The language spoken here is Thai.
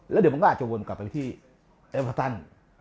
แล้วเดี๋ยวมันก็อาจจะวนกลับไปที่เอเวอร์ตัน